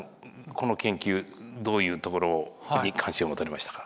この研究どういうところに関心を持たれましたか？